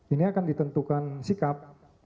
ini akan ditentukan sikap